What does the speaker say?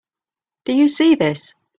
Do you see this?